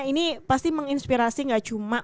ini pasti menginspirasi nggak cuma